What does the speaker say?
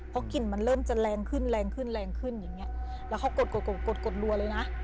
เพราะกลิ่นมันเริ่มจะแรงขึ้นแรงขึ้นแรงขึ้นอย่างเงี้ยแล้วเขากดกดกดกดรัวเลยนะ